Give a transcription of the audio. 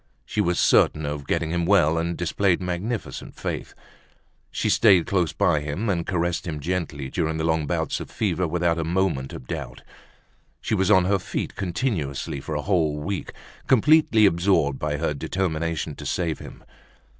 She was certain of getting him well and displayed magnificent faith. She stayed close by him and caressed him gently during the long bouts of fever without a moment of doubt. She was on her feet continuously for a whole week, completely absorbed by her determination to save him.